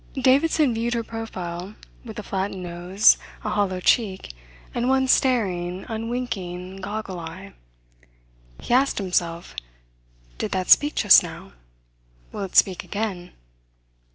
Davidson viewed her profile with a flattened nose, a hollow cheek, and one staring, unwinking, goggle eye. He asked himself: Did that speak just now? Will it speak again?